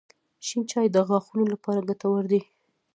• شین چای د غاښونو لپاره ګټور دی.